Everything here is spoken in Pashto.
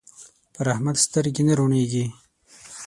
پر احمد سترګې نه روڼېږي.